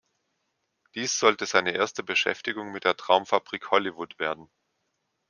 Dies sollte seine erste Beschäftigung mit der Traumfabrik Hollywood werden.